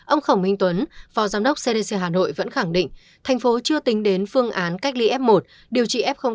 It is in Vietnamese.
ông khổng minh tuấn phó giám đốc cdc hà nội vẫn khẳng định thành phố chưa tính đến phương án cách ly f một điều trị f một